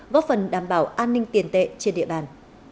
góp phần đảm bảo an ninh tiền tệ trên địa bàn